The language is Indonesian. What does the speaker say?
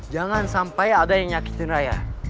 jangan sampai ada yang nyakitin raya